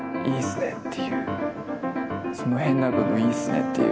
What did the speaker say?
その変な部分いいっすねっていう。